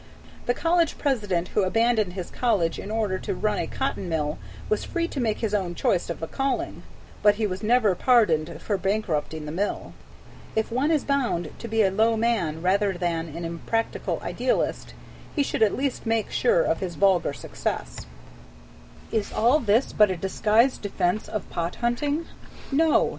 The college president who abandoned his college in order to run a cotton mill was free to make his own choice of a calling; but he was never pardoned for bankrupting the mill. If one is bound to be a low man rather than an impractical idealist, he should at least make sure of his vulgar success. Is all this but a disguised defense of pot hunting? No.